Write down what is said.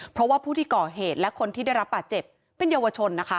เพราะว่าผู้ที่ก่อเหตุและคนที่ได้รับบาดเจ็บเป็นเยาวชนนะคะ